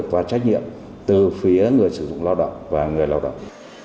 tích cực và trách nhiệm từ phía người sử dụng lao động và người lao động